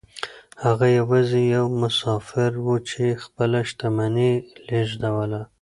هغه يوازې يو مسافر و چې خپله شتمني يې لېږدوله.